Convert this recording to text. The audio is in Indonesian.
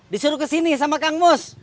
disuruh kesini sama kang mus